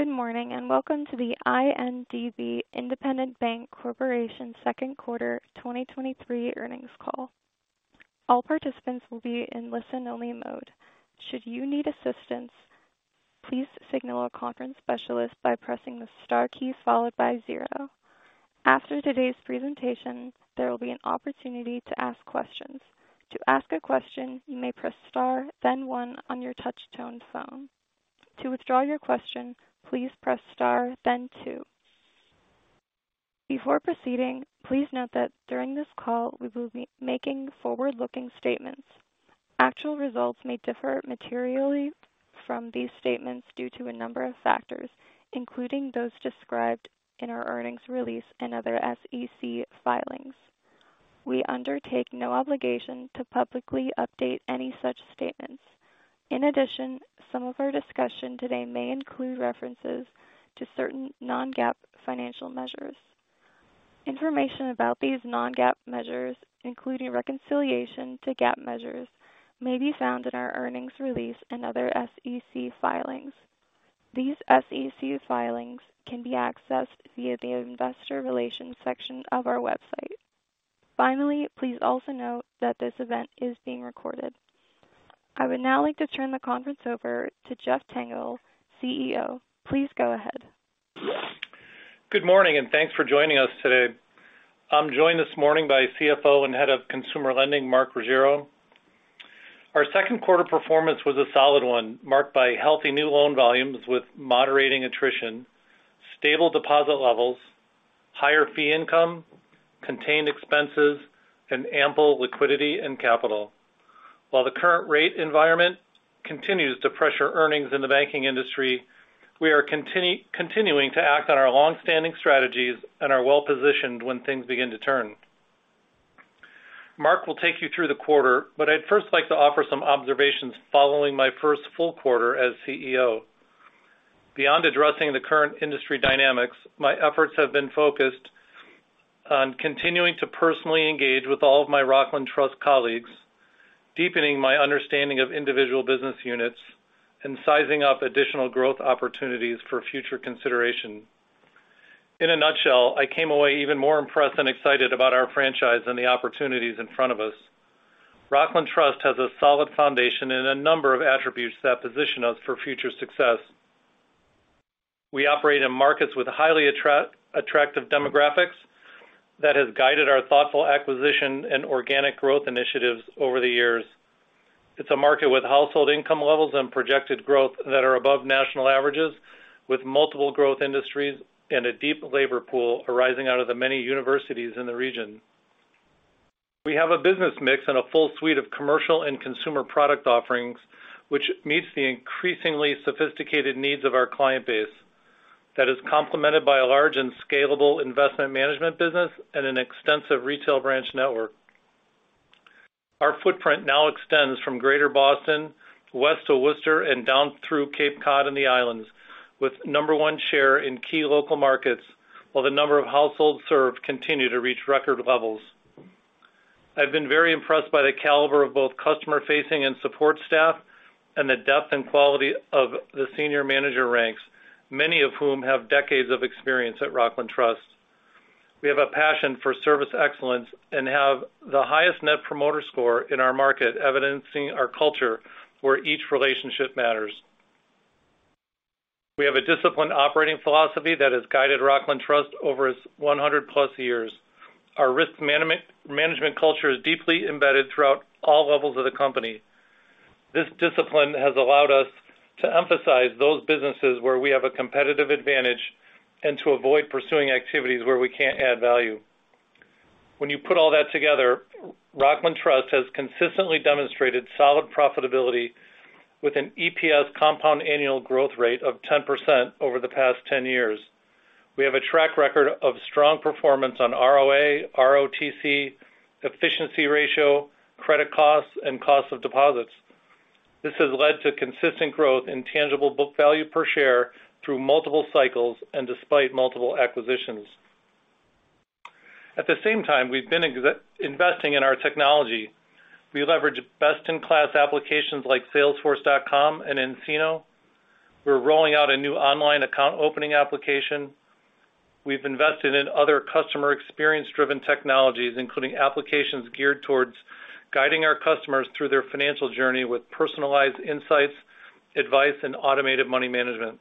Good morning, and welcome to the INDV Independent Bank Corp. Second Quarter 2023 Earnings Call. All participants will be in listen-only mode. Should you need assistance, please signal a conference specialist by pressing the star key followed by zero. After today's presentation, there will be an opportunity to ask questions. To ask a question, you may press star, then one on your touchtone phone. To withdraw your question, please press star, then two. Before proceeding, please note that during this call, we will be making forward-looking statements. Actual results may differ materially from these statements due to a number of factors, including those described in our earnings release and other SEC filings. We undertake no obligation to publicly update any such statements. Some of our discussion today may include references to certain non-GAAP financial measures. Information about these non-GAAP measures, including reconciliation to GAAP measures, may be found in our earnings release and other SEC filings. These SEC filings can be accessed via the Investor Relations section of our website. Finally, please also note that this event is being recorded. I would now like to turn the conference over to Jeff Tengel, CEO. Please go ahead. Good morning. Thanks for joining us today. I'm joined this morning by CFO and Head of Consumer Lending, Mark Ruggiero. Our second quarter performance was a solid one, marked by healthy new loan volumes with moderating attrition, stable deposit levels, higher fee income, contained expenses, and ample liquidity and capital. While the current rate environment continues to pressure earnings in the banking industry, we are continuing to act on our longstanding strategies and are well-positioned when things begin to turn. Mark will take you through the quarter. I'd first like to offer some observations following my first full quarter as CEO. Beyond addressing the current industry dynamics, my efforts have been focused on continuing to personally engage with all of my Rockland Trust colleagues, deepening my understanding of individual business units, and sizing up additional growth opportunities for future consideration. In a nutshell, I came away even more impressed and excited about our franchise and the opportunities in front of us. Rockland Trust has a solid foundation and a number of attributes that position us for future success. We operate in markets with highly attractive demographics that has guided our thoughtful acquisition and organic growth initiatives over the years. It's a market with household income levels and projected growth that are above national averages, with multiple growth industries and a deep labor pool arising out of the many universities in the region. We have a business mix and a full suite of commercial and consumer product offerings, which meets the increasingly sophisticated needs of our client base. That is complemented by a large and scalable investment management business and an extensive retail branch network. Our footprint now extends from Greater Boston, west to Worcester, and down through Cape Cod and the Islands, with number one share in key local markets, while the number of households served continue to reach record levels. I've been very impressed by the caliber of both customer-facing and support staff and the depth and quality of the senior manager ranks, many of whom have decades of experience at Rockland Trust. We have a passion for service excellence and have the highest Net Promoter Score in our market, evidencing our culture where each relationship matters. We have a disciplined operating philosophy that has guided Rockland Trust over its 100 plus years. Our risk management culture is deeply embedded throughout all levels of the company. This discipline has allowed us to emphasize those businesses where we have a competitive advantage and to avoid pursuing activities where we can't add value. When you put all that together, Rockland Trust has consistently demonstrated solid profitability with an EPS compound annual growth rate of 10% over the past 10 years. We have a track record of strong performance on ROA, ROTCE, efficiency ratio, credit costs, and cost of deposits. This has led to consistent growth in tangible book value per share through multiple cycles and despite multiple acquisitions. At the same time, we've been investing in our technology. We leverage best-in-class applications like Salesforce and nCino. We're rolling out a new online account opening application. We've invested in other customer experience-driven technologies, including applications geared towards guiding our customers through their financial journey with personalized insights, advice, and automated money management.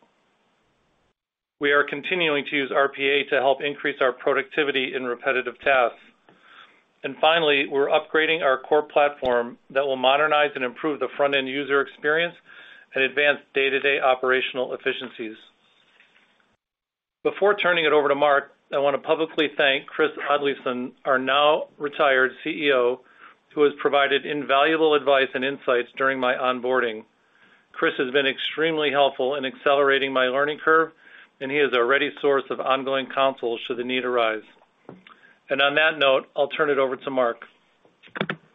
We are continuing to use RPA to help increase our productivity in repetitive tasks. Finally, we're upgrading our core platform that will modernize and improve the front-end user experience and advance day-to-day operational efficiencies. Before turning it over to Mark, I want to publicly thank Chris Oddleifson, our now retired CEO, who has provided invaluable advice and insights during my onboarding. Chris has been extremely helpful in accelerating my learning curve, and he is a ready source of ongoing counsel should the need arise. On that note, I'll turn it over to Mark.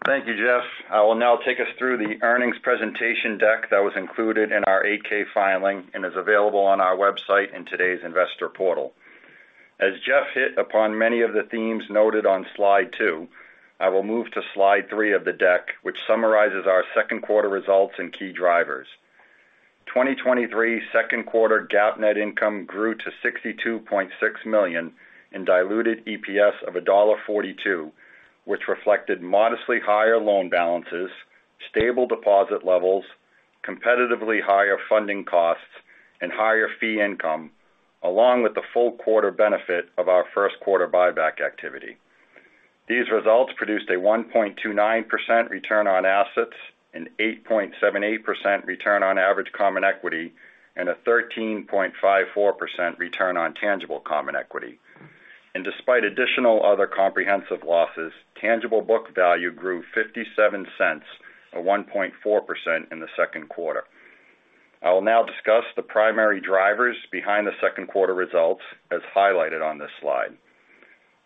Thank you, Jeff. I will now take us through the earnings presentation deck that was included in our 8-K filing and is available on our website in today's investor portal. As Jeff hit upon many of the themes noted on Slide two, I will move to Slide three of the deck, which summarizes our second quarter results and key drivers. 2023 second quarter GAAP net income grew to $62.6 million in diluted EPS of $1.42, which reflected modestly higher loan balances, stable deposit levels, competitively higher funding costs, and higher fee income, along with the full quarter benefit of our first quarter buyback activity. These results produced a 1.29% return on assets, an 8.78% return on average common equity, and a 13.54% return on tangible common equity. Despite additional other comprehensive losses, tangible book value grew $0.57, or 1.4% in the second quarter. I will now discuss the primary drivers behind the second quarter results, as highlighted on this slide.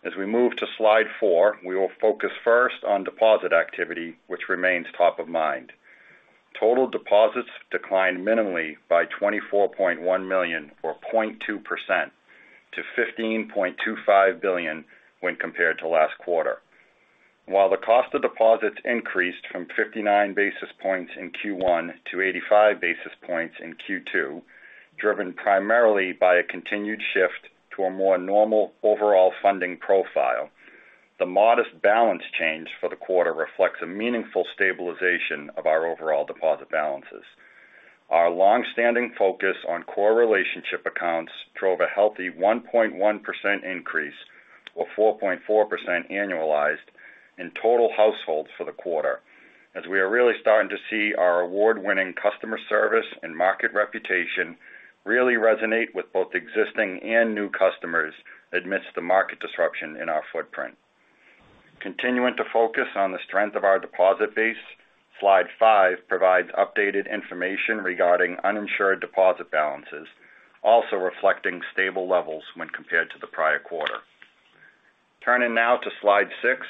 As we move to Slide four, we will focus first on deposit activity, which remains top of mind. Total deposits declined minimally by $24.1 million, or 0.2%, to $15.25 billion when compared to last quarter. While the cost of deposits increased from 59 basis points in Q1 to 85 basis points in Q2, driven primarily by a continued shift to a more normal overall funding profile, the modest balance change for the quarter reflects a meaningful stabilization of our overall deposit balances. Our long-standing focus on core relationship accounts drove a healthy 1.1% increase, or 4.4% annualized, in total households for the quarter, as we are really starting to see our award-winning customer service and market reputation really resonate with both existing and new customers amidst the market disruption in our footprint. Continuing to focus on the strength of our deposit base, Slide five provides updated information regarding uninsured deposit balances, also reflecting stable levels when compared to the prior quarter. Turning now to Slide six,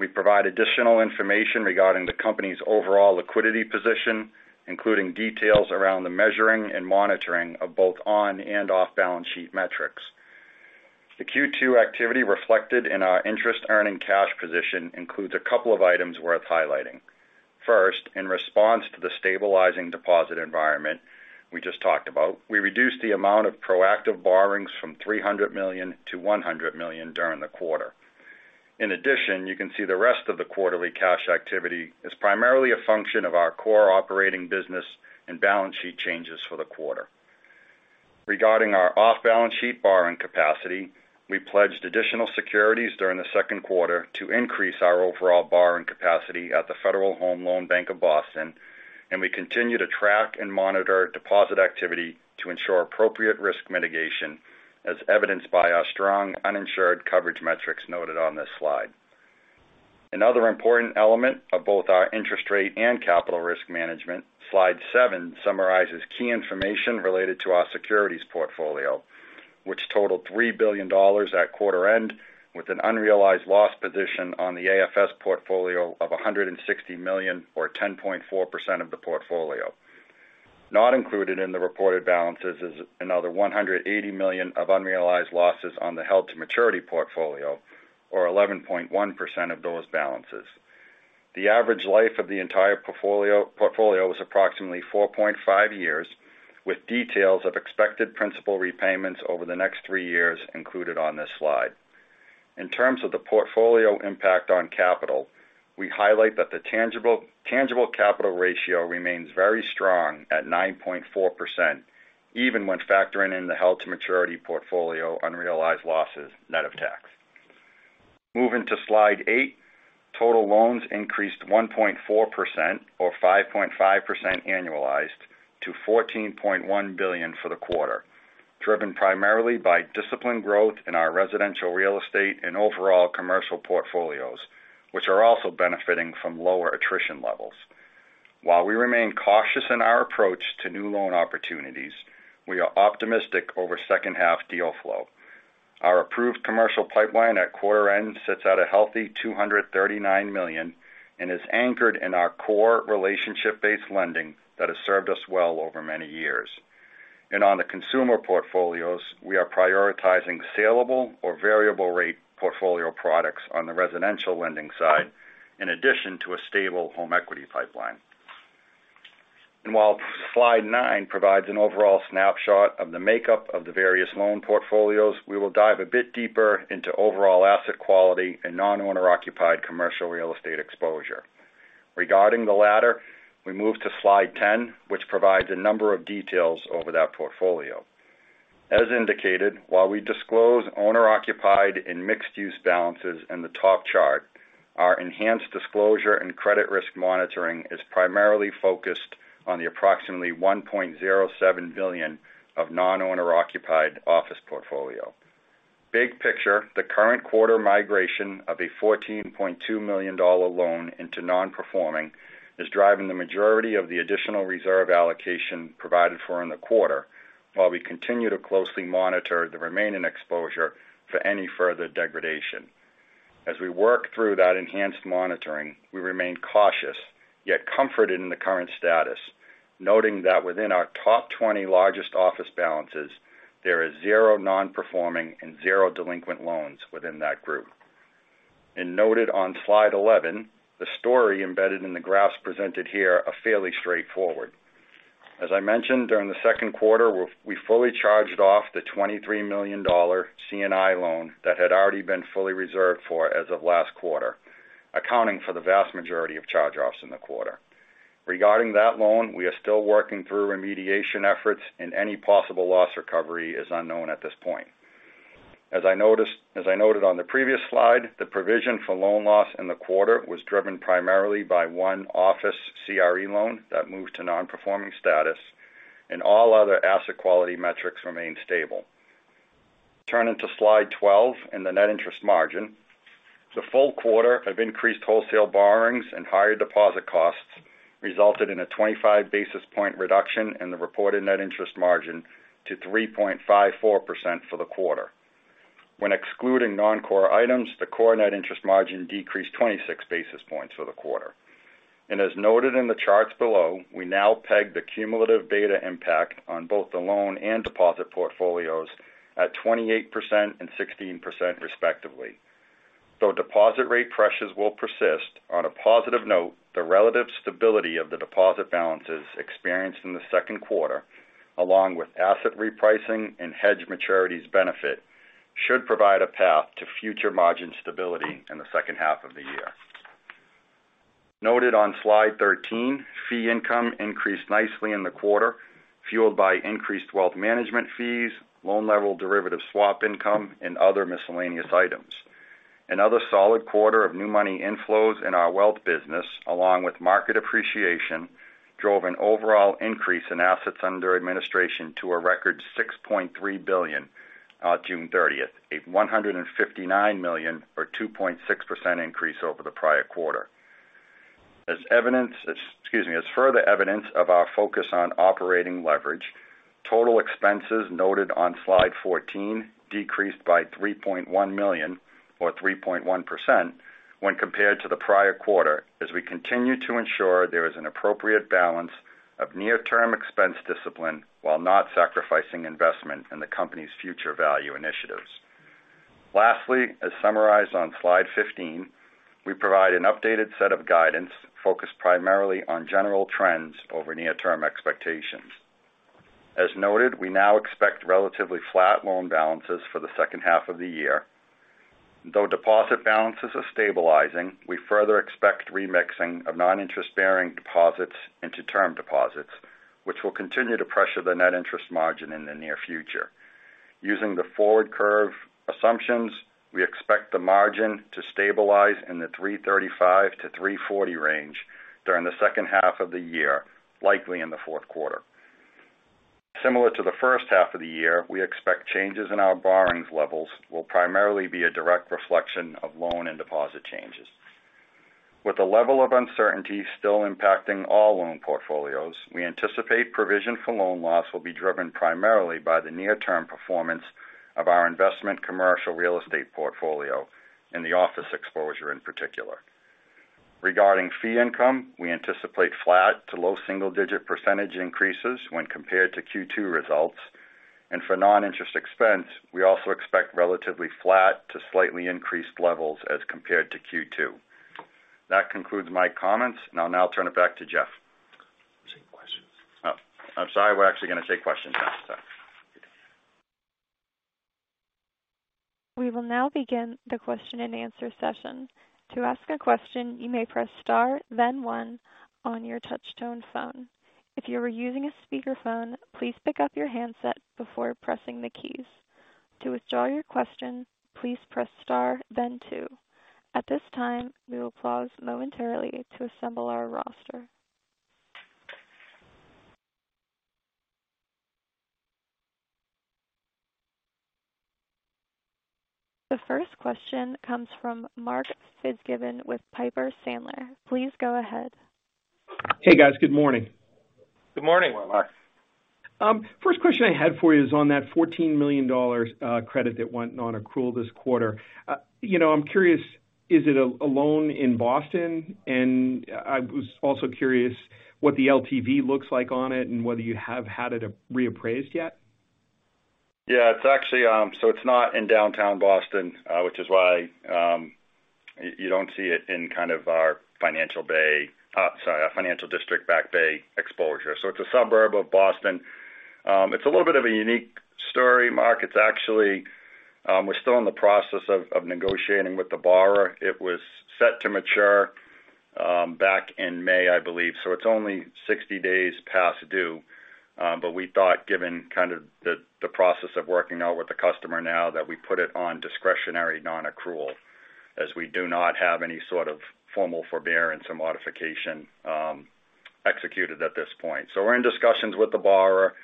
we provide additional information regarding the company's overall liquidity position, including details around the measuring and monitoring of both on and off-balance sheet metrics. The Q2 activity reflected in our interest earning cash position includes a couple of items worth highlighting. In response to the stabilizing deposit environment we just talked about, we reduced the amount of proactive borrowings from $300 million to $100 million during the quarter. You can see the rest of the quarterly cash activity is primarily a function of our core operating business and balance sheet changes for the quarter. Regarding our off-balance sheet borrowing capacity, we pledged additional securities during the second quarter to increase our overall borrowing capacity at the Federal Home Loan Bank of Boston. We continue to track and monitor deposit activity to ensure appropriate risk mitigation, as evidenced by our strong uninsured coverage metrics noted on this slide. Another important element of both our interest rate and capital risk management, Slide seven summarizes key information related to our securities portfolio, which totaled $3 billion at quarter end, with an unrealized loss position on the AFS portfolio of $160 million, or 10.4% of the portfolio. Not included in the reported balances is another $180 million of unrealized losses on the held to maturity portfolio, or 11.1% of those balances. The average life of the entire portfolio was approximately 4.5 years, with details of expected principal repayments over the next three years included on this slide. In terms of the portfolio impact on capital, we highlight that the tangible capital ratio remains very strong at 9.4%, even when factoring in the held to maturity portfolio unrealized losses net of tax. Moving to Slide eight, total loans increased 1.4% or 5.5% annualized to $14.1 billion for the quarter, driven primarily by disciplined growth in our residential real estate and overall commercial portfolios, which are also benefiting from lower attrition levels. While we remain cautious in our approach to new loan opportunities, we are optimistic over second half deal flow. Our approved commercial pipeline at quarter end sits at a healthy $239 million and is anchored in our core relationship-based lending that has served us well over many years. On the consumer portfolios, we are prioritizing saleable or variable rate portfolio products on the residential lending side, in addition to a stable home equity pipeline. While Slide nine provides an overall snapshot of the makeup of the various loan portfolios, we will dive a bit deeper into overall asset quality and non-owner occupied commercial real estate exposure. Regarding the latter, we move to Slide 10, which provides a number of details over that portfolio. As indicated, while we disclose owner-occupied and mixed-use balances in the top chart, our enhanced disclosure and credit risk monitoring is primarily focused on the approximately $1.07 billion of non-owner occupied office portfolio. Big picture, the current quarter migration of a $14.2 million loan into non-performing is driving the majority of the additional reserve allocation provided for in the quarter, while we continue to closely monitor the remaining exposure for any further degradation. as we work through that enhanced monitoring, we remain cautious, yet comforted in the current status, noting that within our top 20 largest office balances, there is 0 non-performing and 0 delinquent loans within that group. Noted on slide 11, the story embedded in the graphs presented here are fairly straightforward. As I mentioned, during the second quarter, we fully charged off the $23 million C&I loan that had already been fully reserved for as of last quarter, accounting for the vast majority of charge-offs in the quarter. Regarding that loan, we are still working through remediation efforts, and any possible loss recovery is unknown at this point. As I noted on the previous slide, the provision for loan loss in the quarter was driven primarily by one office CRE loan that moved to non-performing status, and all other asset quality metrics remained stable. Turning to slide 12 and the net interest margin. The full quarter of increased wholesale borrowings and higher deposit costs resulted in a 25 basis point reduction in the reported net interest margin to 3.54% for the quarter. When excluding non-core items, the core net interest margin decreased 26 basis points for the quarter. As noted in the charts below, we now peg the cumulative beta impact on both the loan and deposit portfolios at 28% and 16%, respectively. Though deposit rate pressures will persist, on a positive note, the relative stability of the deposit balances experienced in the second quarter, along with asset repricing and hedge maturities benefit, should provide a path to future margin stability in the second half of the year. Noted on slide 13, fee income increased nicely in the quarter, fueled by increased wealth management fees, loan level derivative swap income, and other miscellaneous items. Another solid quarter of new money inflows in our wealth business, along with market appreciation, drove an overall increase in assets under administration to a record $6.3 billion on June 30th, a $159 million, or 2.6% increase over the prior quarter. As evidence, excuse me, as further evidence of our focus on operating leverage, total expenses noted on slide 14 decreased by $3.1 million, or 3.1%, when compared to the prior quarter, as we continue to ensure there is an appropriate balance of near-term expense discipline while not sacrificing investment in the company's future value initiatives. Lastly, as summarized on slide 15, we provide an updated set of guidance focused primarily on general trends over near-term expectations. Though deposit balances are stabilizing, we further expect remixing of non-interest-bearing deposits into term deposits, which will continue to pressure the net interest margin in the near future. Using the forward curve assumptions, we expect the margin to stabilize in the 3.35%-3.40% range during the second half of the year, likely in the fourth quarter. Similar to the first half of the year, we expect changes in our borrowings levels will primarily be a direct reflection of loan and deposit changes. With the level of uncertainty still impacting all loan portfolios, we anticipate provision for loan loss will be driven primarily by the near-term performance of our investment commercial real estate portfolio and the office exposure in particular. Regarding fee income, we anticipate flat to low single digit % increases when compared to Q2 results. For non-interest expense, we also expect relatively flat to slightly increased levels as compared to Q2. That concludes my comments, and I'll now turn it back to Jeff. Take questions. Oh, I'm sorry. We're actually going to take questions now. Sorry. We will now begin the question-and-answer session. To ask a question, you may press star, then one on your touchtone phone. If you are using a speakerphone, please pick up your handset before pressing the keys. To withdraw your question, please press star, then two. At this time, we will pause momentarily to assemble our roster. The first question comes from Mark Fitzgibbon with Piper Sandler. Please go ahead. Hey, guys. Good morning. Good morning, Mark. First question I had for you is on that $14 million, credit that went non-accrual this quarter. You know, I'm curious, is it a loan in Boston? I was also curious what the LTV looks like on it and whether you have had it reappraised yet? It's actually, it's not in downtown Boston, which is why you don't see it in kind of our financial bay, sorry, our financial district, Back Bay exposure. It's a suburb of Boston. It's a little bit of a unique story, Mark. It's actually, we're still in the process of negotiating with the borrower. It was set to mature back in May, I believe. It's only 60 days past due, we thought, given kind of the process of working out with the customer now, that we put it on discretionary nonaccrual As we do not have any sort of formal forbearance or modification execute at this point. We're in discussions with the borrower.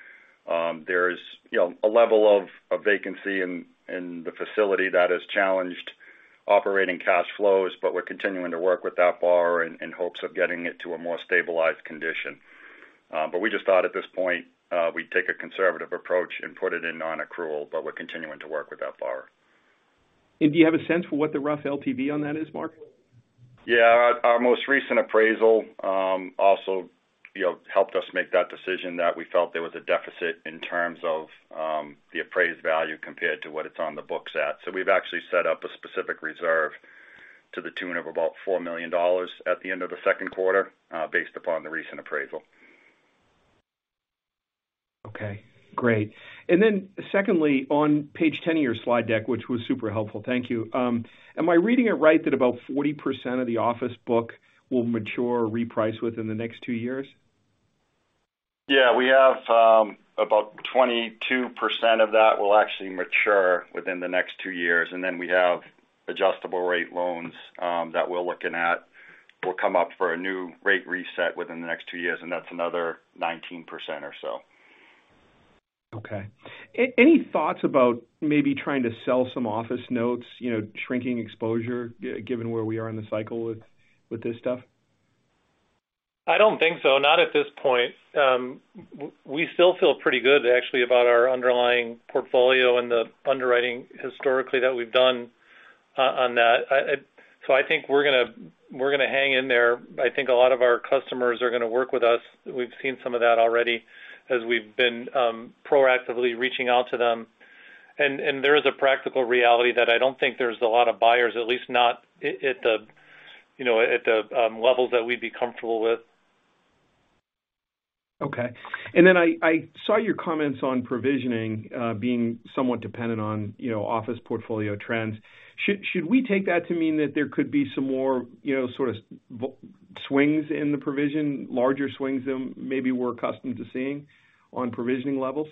There's, you know, a level of vacancy in the facility that has challenged operating cash flows, but we're continuing to work with that borrower in hopes of getting it to a more stabilized condition. We just thought at this point, we'd take a conservative approach and put it in non-accrual, but we're continuing to work with that borrower. Do you have a sense for what the rough LTV on that is, Mark? Yeah. Our most recent appraisal, also, you know, helped us make that decision that we felt there was a deficit in terms of, the appraised value compared to what it's on the books at. We've actually set up a specific reserve to the tune of about $4 million at the end of the second quarter, based upon the recent appraisal. Okay, great. Secondly, on page 10 of your slide deck, which was super helpful, thank you. Am I reading it right, that about 40% of the office book will mature or reprice within the next two years? Yeah, we have about 22% of that will actually mature within the next two years. We have adjustable rate loans, that we're looking at, will come up for a new rate reset within the next two years. That's another 19% or so. Okay. Any thoughts about maybe trying to sell some office notes, you know, shrinking exposure, given where we are in the cycle with this stuff? I don't think so. Not at this point. We still feel pretty good, actually, about our underlying portfolio and the underwriting historically, that we've done on that. I think we're gonna, we're gonna hang in there. I think a lot of our customers are gonna work with us. We've seen some of that already as we've been, proactively reaching out to them. There is a practical reality that I don't think there's a lot of buyers, at least not at the, you know, at the levels that we'd be comfortable with. Okay. Then I saw your comments on provisioning, being somewhat dependent on, you know, office portfolio trends. Should we take that to mean that there could be some more, you know, sort of swings in the provision, larger swings than maybe we're accustomed to seeing on provisioning levels?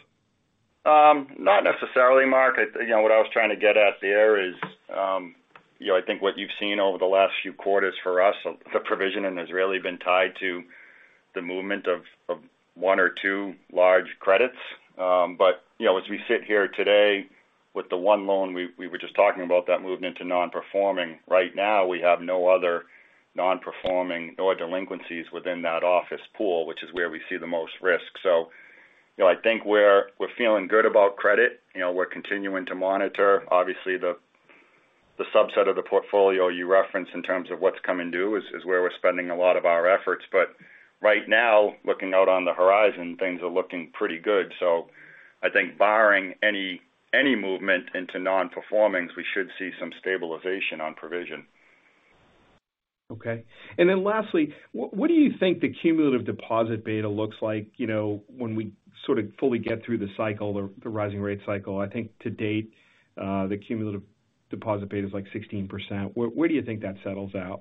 Not necessarily, Mark. You know, what I was trying to get at there is, you know, I think what you've seen over the last few quarters for us, the provisioning has really been tied to the movement of one or two large credits. As we sit here today, with the one loan we were just talking about that moved into non-performing, right now, we have no other non-performing or delinquencies within that office pool, which is where we see the most risk. I think we're feeling good about credit. You know, we're continuing to monitor. Obviously, the subset of the portfolio you referenced in terms of what's coming due, is where we're spending a lot of our efforts. Right now, looking out on the horizon, things are looking pretty good. I think barring any movement into non-performings, we should see some stabilization on provision. Okay. Lastly, what do you think the cumulative deposit beta looks like, you know, when we sort of fully get through the cycle, the rising rate cycle? I think to date, the cumulative deposit beta is, like, 16%. Where do you think that settles out?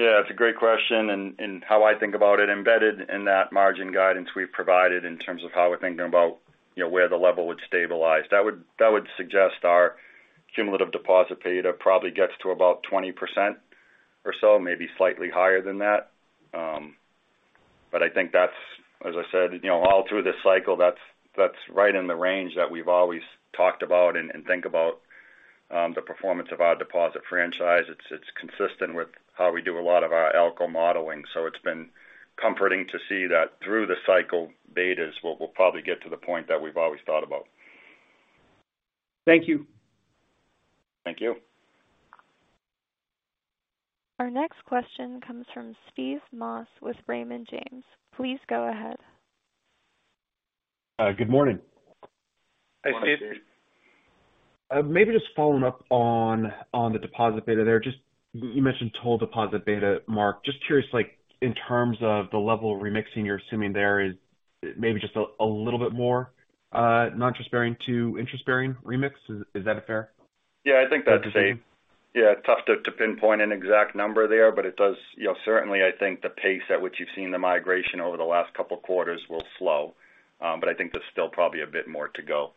It's a great question. How I think about it, embedded in that margin guidance we've provided in terms of how we're thinking about, you know, where the level would stabilize. That would suggest our cumulative deposit beta probably gets to about 20% or so, maybe slightly higher than that. I think that's, as I said, you know, all through this cycle, that's right in the range that we've always talked about and think about the performance of our deposit franchise. It's consistent with how we do a lot of our ALCO modeling. It's been comforting to see that through the cycle, betas will probably get to the point that we've always thought about. Thank you. Thank you. Our next question comes from Steve Moss with Raymond James. Please go ahead. Good morning. Good morning, Steve. Maybe just following up on the deposit beta there. Just you mentioned total deposit beta, Mark. Just curious, like, in terms of the level of remixing, you're assuming there is maybe just a little bit more non-interest bearing to interest-bearing remix. Is that fair? Yeah, I think that's. Okay. Yeah, tough to pinpoint an exact number there, but it does. You know, certainly I think the pace at which you've seen the migration over the last couple of quarters will slow. I think there's still probably a bit more to go.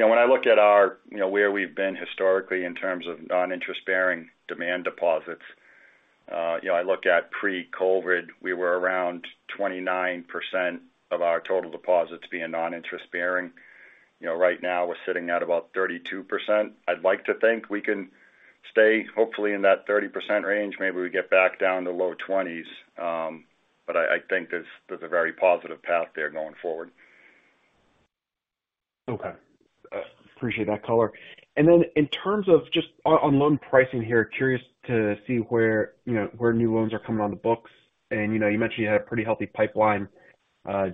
You know, when I look at our, you know, where we've been historically in terms of non-interest-bearing demand deposits, you know, I look at pre-COVID, we were around 29% of our total deposits being non-interest-bearing. You know, right now, we're sitting at about 32%. I'd like to think we can stay hopefully in that 30% range. Maybe we get back down to low 20s. I think there's a very positive path there going forward. Okay. appreciate that color. In terms of just on loan pricing here, curious to see where, you know, where new loans are coming on the books. You know, you mentioned you had a pretty healthy pipeline,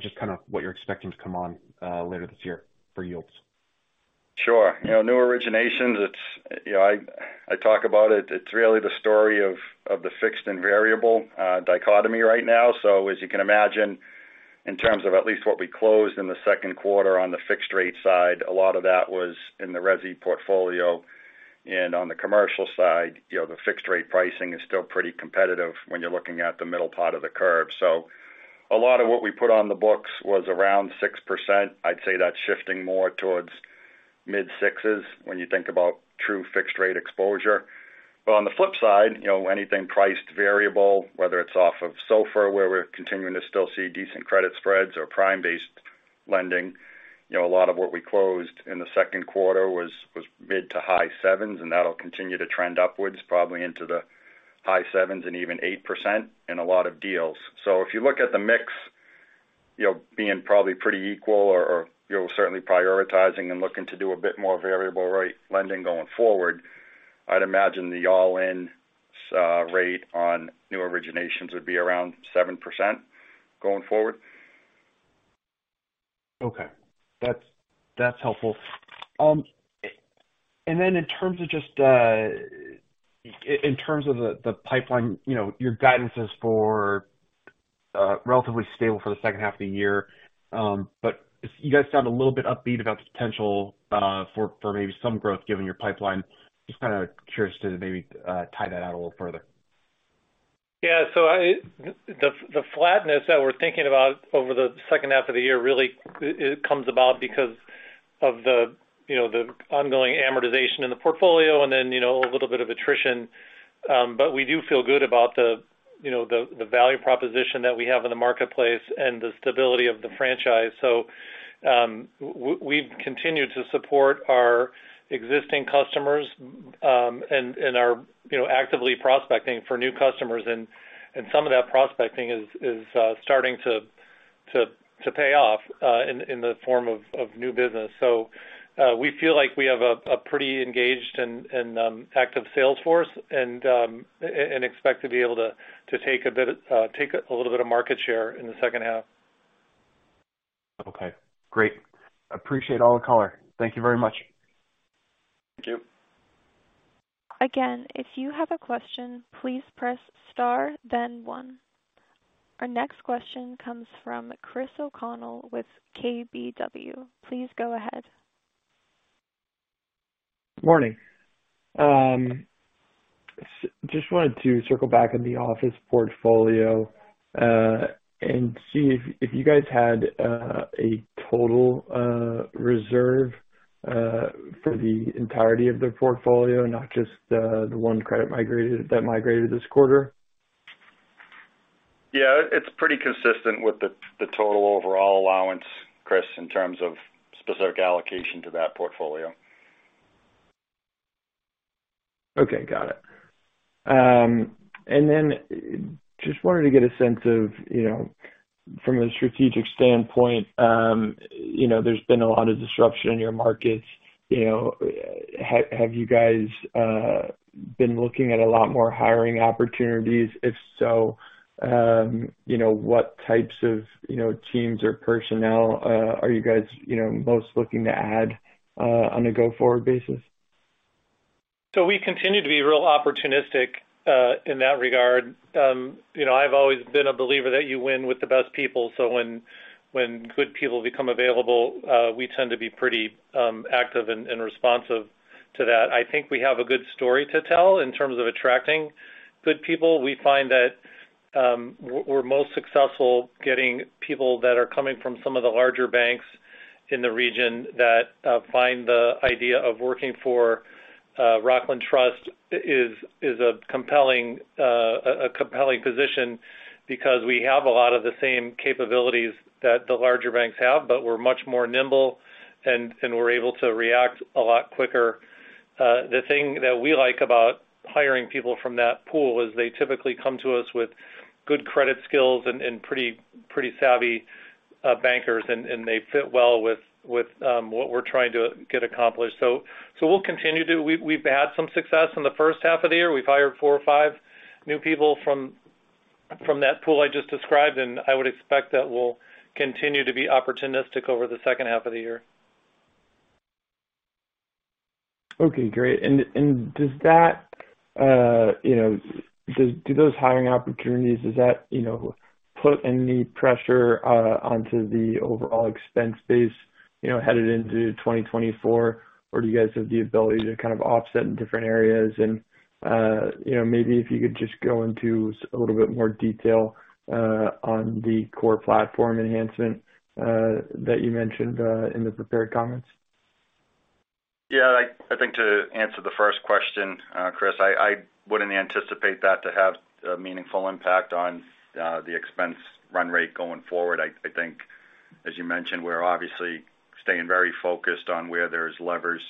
just kind of what you're expecting to come on, later this year for yields. Sure. You know, new originations, it's, you know, I talk about it. It's really the story of the fixed and variable dichotomy right now. As you can imagine, in terms of at least what we closed in the second quarter on the fixed rate side, a lot of that was in the resi portfolio. On the commercial side, you know, the fixed rate pricing is still pretty competitive when you're looking at the middle part of the curve. A lot of what we put on the books was around 6%. I'd say that's shifting more towards mid-six when you think about true fixed rate exposure. On the flip side, you know, anything priced variable, whether it's off of SOFR, where we're continuing to still see decent credit spreads or prime-based lending. You know, a lot of what we closed in the second quarter was mid to high 7s, and that'll continue to trend upwards, probably into the high 7s and even 8% in a lot of deals. If you look at the mix, you know, being probably pretty equal or, you know, certainly prioritizing and looking to do a bit more variable rate lending going forward, I'd imagine the all-in rate on new originations would be around 7% going forward. Okay. That's helpful. In terms of just, in terms of the pipeline, you know, your guidance is for relatively stable for the second half of the year. You guys sound a little bit upbeat about the potential for maybe some growth given your pipeline. Just kind of curious to maybe tie that out a little further. Yeah, the flatness that we're thinking about over the second half of the year really, it comes about because of the, you know, the ongoing amortization in the portfolio and then, you know, a little bit of attrition. We do feel good about the, you know, the value proposition that we have in the marketplace and the stability of the franchise. We've continued to support our existing customers and are, you know, actively prospecting for new customers, and some of that prospecting is starting to pay off in the form of new business. We feel like we have a pretty engaged and active sales force and expect to be able to take a little bit of market share in the second half. Okay, great. Appreciate all the color. Thank you very much. Thank you. If you have a question, please press star, then one. Our next question comes from Chris O'Connell with KBW. Please go ahead. Morning. Just wanted to circle back on the office portfolio, and see if you guys had a total reserve for the entirety of the portfolio, not just the one credit that migrated this quarter? Yeah, it's pretty consistent with the total overall allowance, Chris, in terms of specific allocation to that portfolio. Okay, got it. Then just wanted to get a sense of, you know, from a strategic standpoint, you know, there's been a lot of disruption in your markets. You know, have you guys been looking at a lot more hiring opportunities? If so, you know, what types of, you know, teams or personnel, are you guys, you know, most looking to add, on a go-forward basis? We continue to be real opportunistic in that regard. You know, I've always been a believer that you win with the best people, so when good people become available, we tend to be pretty active and responsive to that. I think we have a good story to tell in terms of attracting good people. We find that we're most successful getting people that are coming from some of the larger banks in the region that find the idea of working for Rockland Trust is a compelling position because we have a lot of the same capabilities that the larger banks have, but we're much more nimble, and we're able to react a lot quicker. The thing that we like about hiring people from that pool is they typically come to us with good credit skills and pretty savvy bankers, and they fit well with what we're trying to get accomplished. We'll continue to. We've had some success in the first half of the year. We've hired four or five new people from that pool I just described, and I would expect that we'll continue to be opportunistic over the second half of the year. Okay, great. Does that, you know, Do those hiring opportunities, does that, you know, put any pressure onto the overall expense base, you know, headed into 2024? Do you guys have the ability to kind of offset in different areas? You know, maybe if you could just go into a little bit more detail on the core platform enhancement that you mentioned in the prepared comments? Yeah, I think to answer the first question, Chris, I wouldn't anticipate that to have a meaningful impact on the expense run rate going forward. I think, as you mentioned, we're obviously staying very focused on where there's levers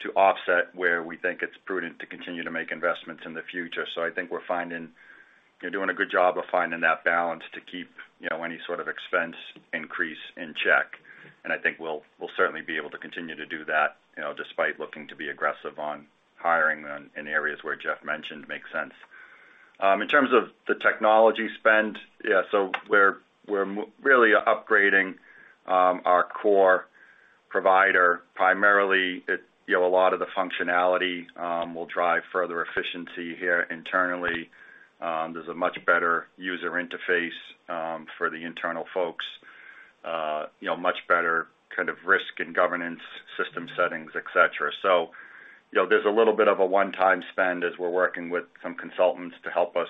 to offset, where we think it's prudent to continue to make investments in the future. I think we're finding, you know, doing a good job of finding that balance to keep, you know, any sort of expense increase in check. I think we'll certainly be able to continue to do that, you know, despite looking to be aggressive on hiring in areas where Jeff mentioned makes sense. In terms of the technology spend, yeah, we're really upgrading our core provider. Primarily, it, you know, a lot of the functionality will drive further efficiency here internally. There's a much better user interface for the internal folks. You know, much better kind of risk and governance system settings, et cetera. You know, there's a little bit of a one-time spend as we're working with some consultants to help us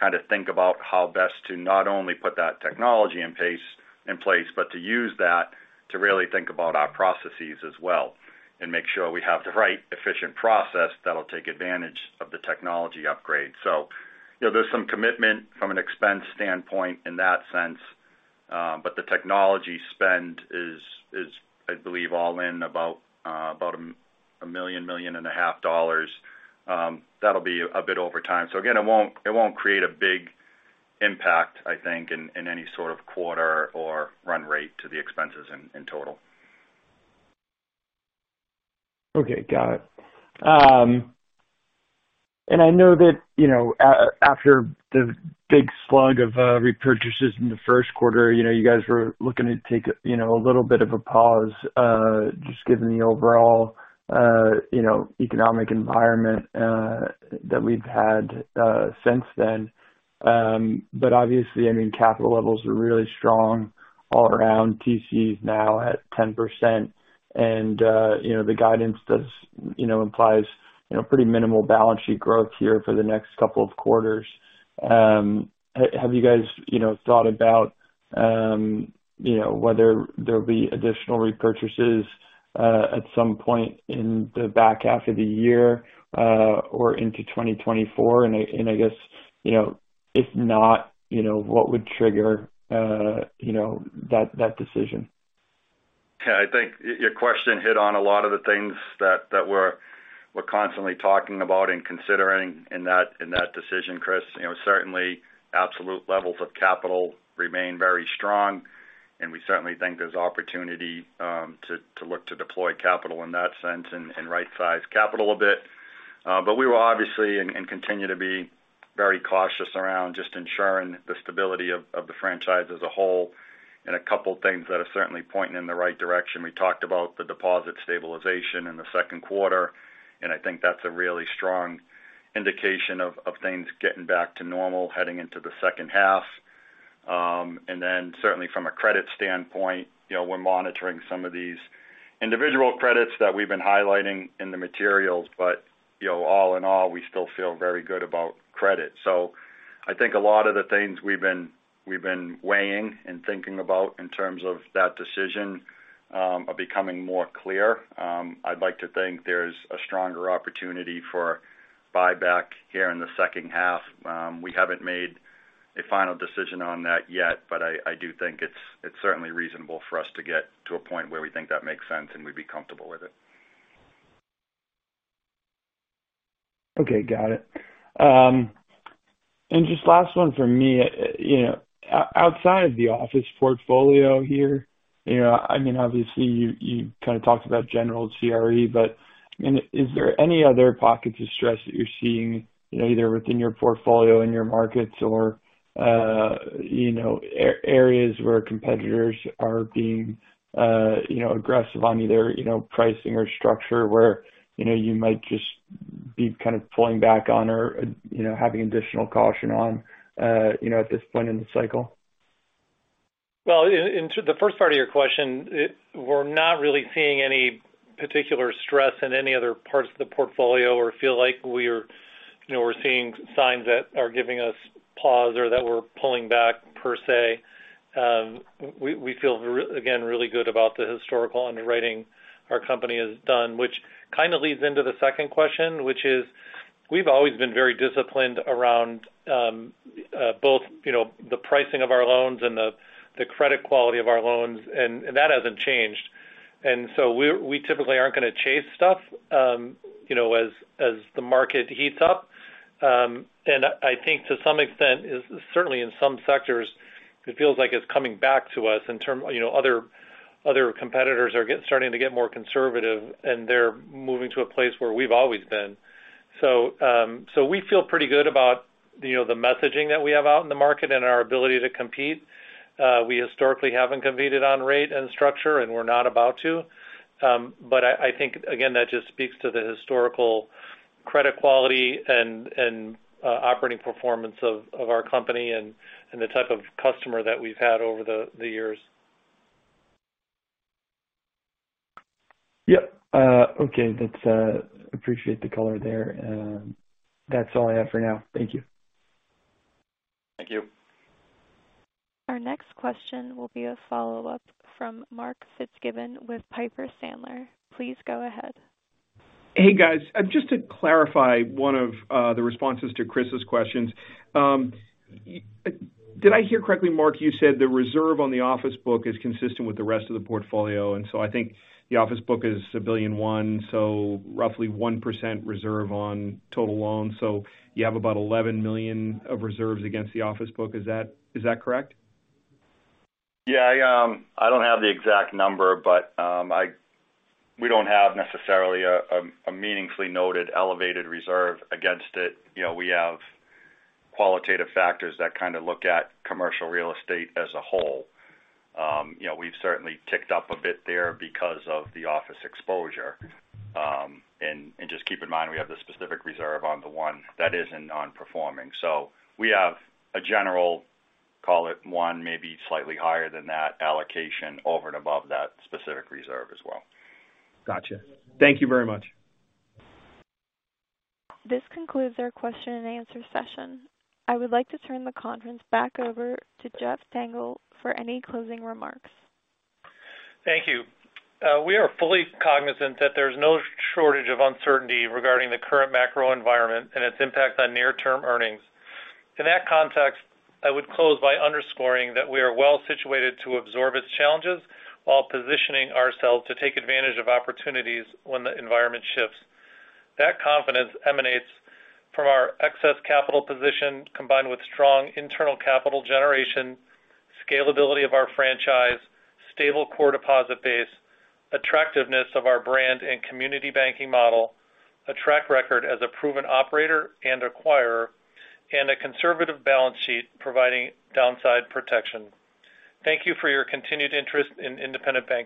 kind of think about how best to not only put that technology in place, but to use that to really think about our processes as well, and make sure we have the right efficient process that'll take advantage of the technology upgrade. You know, there's some commitment from an expense standpoint in that sense, but the technology spend is, I believe, all in about a million and a half dollars. That'll be a bit over time. Again, it won't create a big impact, I think, in any sort of quarter or run rate to the expenses in total. Okay, got it. I know that, you know, after the big slug of repurchases in the first quarter, you know, you guys were looking to take, you know, a little bit of a pause, just given the overall, you know, economic environment that we've had since then. Obviously, I mean, capital levels are really strong all around TCE is now at 10%, and, you know, the guidance does implies, you know, pretty minimal balance sheet growth here for the next couple of quarters. Have you guys, you know, thought about, you know, whether there'll be additional repurchases at some point in the back half of the year, or into 2024? I, and I guess, you know, if not, you know, what would trigger that decision? Yeah, I think your question hit on a lot of the things that we're constantly talking about and considering in that decision, Chris. You know, certainly absolute levels of capital remain very strong, and we certainly think there's opportunity to look to deploy capital in that sense and right-size capital a bit. We will obviously and continue to be very cautious around just ensuring the stability of the franchise as a whole. A couple of things that are certainly pointing in the right direction. We talked about the deposit stabilization in the second quarter. I think that's a really strong indication of things getting back to normal heading into the second half. Then certainly from a credit standpoint, you know, we're monitoring some of these individual credits that we've been highlighting in the materials, but, you know, all in all, we still feel very good about credit. I think a lot of the things we've been weighing and thinking about in terms of that decision, are becoming more clear. I'd like to think there's a stronger opportunity for buyback here in the second half. We haven't made a final decision on that yet, but I do think it's certainly reasonable for us to get to a point where we think that makes sense and we'd be comfortable with it. Okay, got it. Just last one for me. You know, outside of the office portfolio here, you know, I mean, obviously, you kind of talked about general CRE, but, I mean, is there any other pockets of stress that you're seeing, you know, either within your portfolio, in your markets or, you know, areas where competitors are being, you know, aggressive on either, you know, pricing or structure, where, you know, you might just be kind of pulling back on or, you know, having additional caution on, you know, at this point in the cycle? Well, in the first part of your question, we're not really seeing any particular stress in any other parts of the portfolio or feel like we're, you know, we're seeing signs that are giving us pause or that we're pulling back per se. We feel again, really good about the historical underwriting our company has done, which kind of leads into the second question, which is, we've always been very disciplined around, both, you know, the pricing of our loans and the credit quality of our loans, and that hasn't changed. We typically aren't going to chase stuff, you know, as the market heats up. I think to some extent, is certainly in some sectors, it feels like it's coming back to us in term. You know, other competitors are starting to get more conservative, and they're moving to a place where we've always been. We feel pretty good about, you know, the messaging that we have out in the market and our ability to compete. We historically haven't competed on rate and structure, and we're not about to. I think, again, that just speaks to the historical credit quality and operating performance of our company and the type of customer that we've had over the years. Yep, okay. That's, appreciate the color there. That's all I have for now. Thank you. Thank you. Our next question will be a follow-up from Mark Fitzgibbon with Piper Sandler. Please go ahead. Hey, guys. Just to clarify one of the responses to Chris's questions. Did I hear correctly, Mark, you said the reserve on the office book is consistent with the rest of the portfolio, I think the office book is $1.1 billion, so roughly 1% reserve on total loans. You have about $11 million of reserves against the office book. Is that correct? Yeah, I don't have the exact number, but we don't have necessarily a meaningfully noted elevated reserve against it. You know, we have qualitative factors that kind of look at commercial real estate as a whole. You know, we've certainly ticked up a bit there because of the office exposure. Just keep in mind, we have the specific reserve on the one that is in non-performing. We have a general, call it one, maybe slightly higher than that, allocation over and above that specific reserve as well. Gotcha. Thank you very much. This concludes our question-and-answer session. I would like to turn the conference back over to Jeff Tengel for any closing remarks. Thank you. We are fully cognizant that there's no shortage of uncertainty regarding the current macro environment and its impact on near-term earnings. In that context, I would close by underscoring that we are well situated to absorb its challenges while positioning ourselves to take advantage of opportunities when the environment shifts. That confidence emanates from our excess capital position, combined with strong internal capital generation, scalability of our franchise, stable core deposit base, attractiveness of our brand and community banking model, a track record as a proven operator and acquirer, and a conservative balance sheet providing downside protection. Thank you for your continued interest in Independent Bank.